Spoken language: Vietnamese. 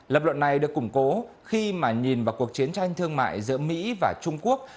lập luận này được củng cố khi mà nhìn vào cuộc chiến tranh thương mại giữa mỹ và trung quốc